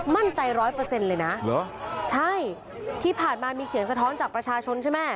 ร้อยเปอร์เซ็นต์เลยนะเหรอใช่ที่ผ่านมามีเสียงสะท้อนจากประชาชนใช่ไหม